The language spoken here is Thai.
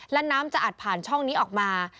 และน้ำจะอัดผ่านช่องนี้ออกมา